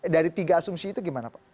dari tiga asumsi itu gimana pak